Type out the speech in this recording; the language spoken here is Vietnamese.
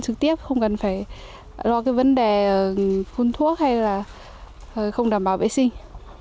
trực tiếp không cần phải lo cái vấn đề phun thuốc hay là không đảm bảo vệ sinh